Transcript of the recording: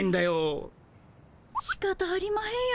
しかたありまへんよ